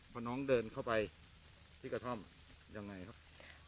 พอน้องเดินเข้าไปที่กระท่อมยังไงครับ